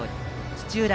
土浦